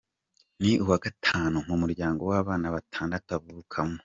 Ni uwa Gatanu mu muryango w’abana batandatu avukamo.